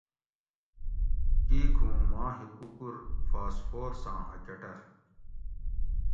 کیک ھوں ما ھکوکور فاسفورساں اۤ کٹر